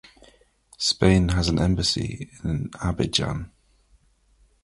Spain has an embassy in Abidjan.